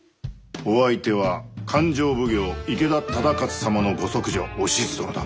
お相手は勘定奉行池田忠勝様のご息女おしず殿だ。